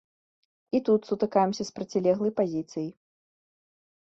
І тут сутыкаемся з процілеглай пазіцыяй.